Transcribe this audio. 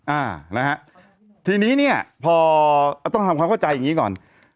อ่านะฮะทีนี้เนี่ยพอต้องทำความเข้าใจอย่างงี้ก่อน